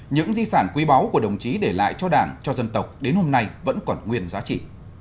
những di sản quý báu của đồng chí để lại cho đảng cho dân tộc đến hôm nay vẫn còn nguyên giá trị